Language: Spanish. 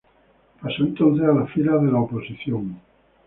Pasó entonces a las filas de la oposición.